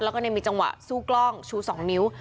แล้วก็มีจังหวะสู้กล้องชู๒นิ้ว